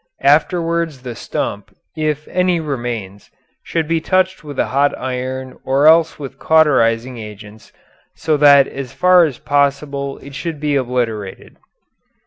Afterwards the stump, if any remains, should be touched with a hot iron or else with cauterizing agents so that as far as possible it should be obliterated.